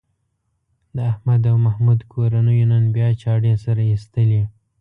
د احمد او محمود کورنیو نن بیا چاړې سره ایستلې.